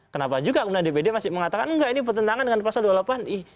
kenapa juga kemudian dpd masih mengatakan enggak ini bertentangan dengan pasal dua puluh delapan i